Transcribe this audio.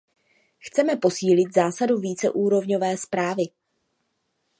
Chceme posílit zásadu víceúrovňové správy.